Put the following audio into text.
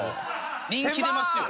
人気出ますよ。